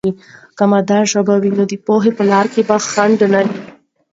که مادي ژبه وي، نو د پوهې په لاره به خنډ نه وي.